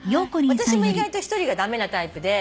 私も意外と１人が駄目なタイプで。